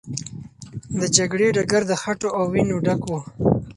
د جګړې ډګر د خټو او وینو ډک و.